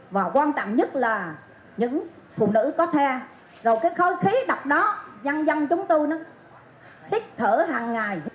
và quan trọng nhất là những phụ nữ có the rồi cái khói khí độc đó dân dân chúng tôi nó hít thở hàng ngày